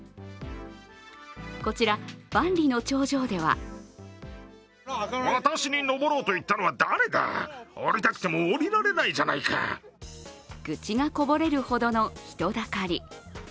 こちら、万里の長城では愚痴がこぼれるほどの人だかり。